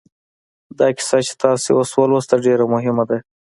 دا کیسه چې تاسې اوس ولوسته ډېره مهمه ده